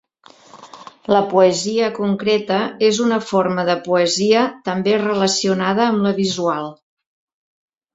La poesia concreta és una forma de poesia també relacionada amb la visual.